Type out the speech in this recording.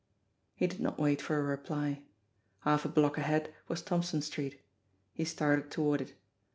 He did not wait for a reply. Half a block ahead was Thompson Street. He started toward it.